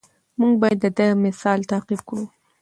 موږ باید د ده مثال تعقیب کړو.